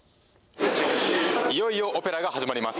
いよいよオペラが始まります。